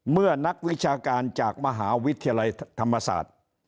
นักวิชาการจากมหาวิทยาลัยธรรมศาสตร์